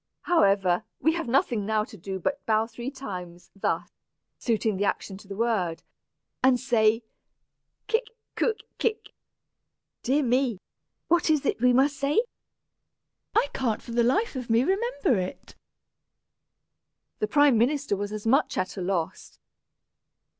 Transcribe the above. However, we have nothing now to do but bow three times, thus" suiting the action to the word, "and say Kik kuk kik! Dear me, what is it we must say? I can't for the life of me remember it." The prime minister was as much at a loss.